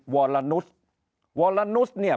วรนุษย์วรนุษย์เนี่ย